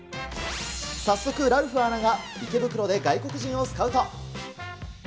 早速、ラルフアナが池袋で外国人をスカウト。